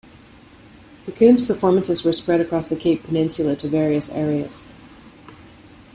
The Coons performances were spread across the Cape Peninsula to various areas.